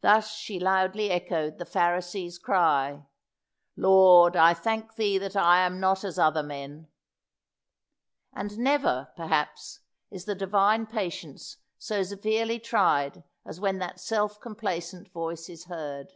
Thus she loudly echoed the Pharisee's cry "Lord, I thank Thee that I am not as other men." And never, perhaps, is the Divine patience so severely tried as when that self complacent voice is heard.